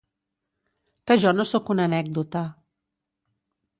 que jo no sóc una anècdota